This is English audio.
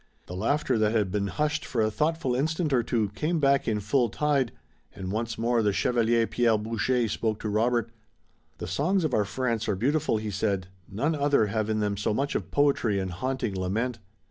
The laughter that had been hushed for a thoughtful instant or two came back in full tide, and once more the Chevalier Pierre Boucher spoke to Robert. "The songs of our France are beautiful," he said. "None other have in them so much of poetry and haunting lament."